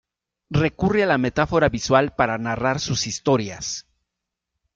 Recurre a la metáfora visual para narrar sus historias.